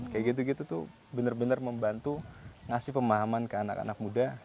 kayak gitu gitu tuh bener bener membantu ngasih pemahaman ke anak anak muda